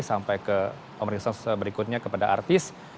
sampai ke pemeriksaan berikutnya kepada artis